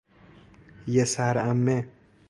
یسر عمه